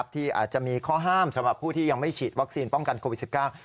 ที่อาจจะมีข้อห้ามสำหรับผู้ที่ยังไม่ฉีดวัคซีนป้องกันโควิด๑๙